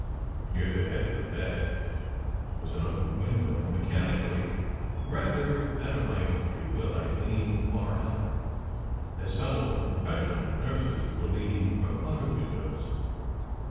Near the head of the bed was an open window, and mechanically, rather than of my own free will, I leaned far out, as some of the professional nurses were leaning from other windows.